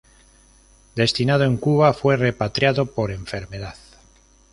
Destinado en Cuba, fue repatriado por enfermedad.